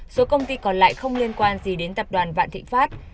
số công ty còn lại không liên quan gì đến tập đoàn vạn thịnh pháp